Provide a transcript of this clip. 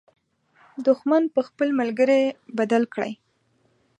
دښمن په خپل ملګري بدل کړئ.